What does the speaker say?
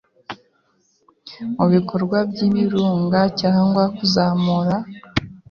mubikorwa byibirunga cyangwa kuzamura